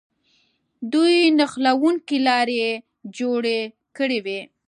دوی نښلوونکې لارې جوړې کړې وې.